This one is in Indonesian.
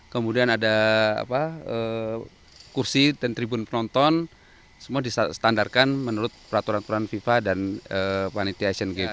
kemudian ada kursi dan tribun penonton semua distandarkan menurut peraturan peraturan fifa dan panitia asian games